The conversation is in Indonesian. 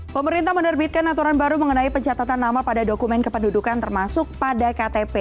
pemerintah menerbitkan aturan baru mengenai pencatatan nama pada dokumen kependudukan termasuk pada ktp